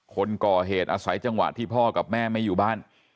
คนก่อเหตุอาศัยจังหวะที่พ่อกับแม่ไม่อยู่บ้าน